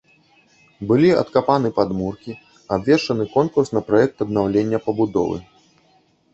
Былі адкапаны падмуркі, абвешчаны конкурс на праект аднаўлення пабудовы.